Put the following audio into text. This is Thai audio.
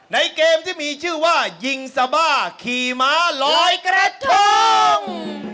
ในเกมที่มีชื่อว่ายิงซาบ้าขี่ม้าลอยกระทง